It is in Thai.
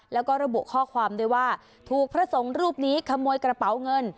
แล้วก็ระบุข้อความด้วยว่าถูกพระสงฆ์รูปนี้ขโมยกระเป๋าเงิน